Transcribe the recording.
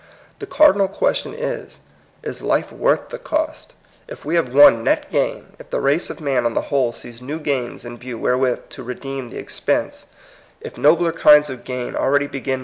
The cardinal question is, Is life worth the cost ? If we have won net gain ; if the race of man on the whole sees new gains in view wherewith to redeem the ex pense ; if nobler kinds of gain already begin THE LAW OF COST.